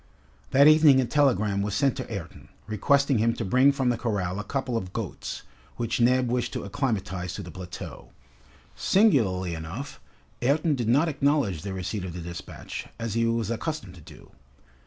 That evening a telegram was sent to Ayrton, requesting him to bring from the corral a couple of goats, which Neb wished to acclimatize to the plateau. Singularly enough, Ayrton did not acknowledge the receipt of the despatch, as he was accustomed to do.